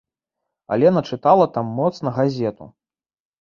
Алена чытала там моцна газету.